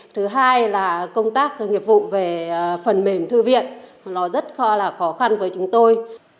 thứ hai là công tác nghiệp vụ về phần mềm thư viện nó rất là khó khăn với chúng tôi